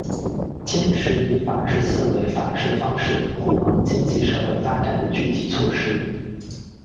坚持以法治思维法治方式护航经济社会发展的具体措施